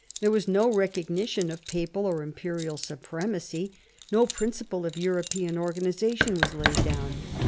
There was no recognition of papal or imperial supremacy ; no principle of Euro pean organisation was laid down.